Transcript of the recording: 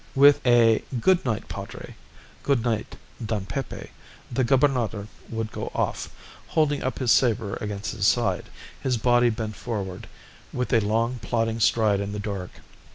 With a "Good night, Padre," "Good night, Don Pepe," the Gobernador would go off, holding up his sabre against his side, his body bent forward, with a long, plodding stride in the dark.